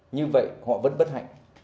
như vậy họ vẫn bất hạnh